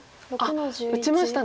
あっ打ちましたね。